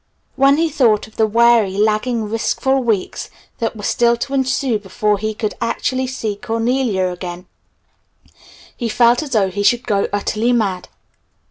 When he thought of the weary, lagging, riskful weeks that were still to ensue before he should actually see Cornelia again, he felt as though he should go utterly mad.